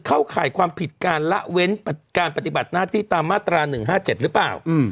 ข่ายความผิดการละเว้นการปฏิบัติหน้าที่ตามมาตรา๑๕๗หรือเปล่า